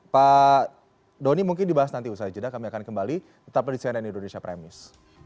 pak doni mungkin dibahas nanti usai jeda kami akan kembali tetap di cnn indonesia prime news